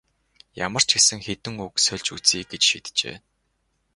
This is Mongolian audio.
Ямар ч гэсэн хэдэн үг сольж үзье гэж шийджээ.